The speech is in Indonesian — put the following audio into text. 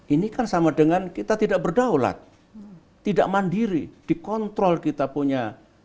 ini kan sama dengan kita tidak berdaulat tidak mandiri dikontrol kita punya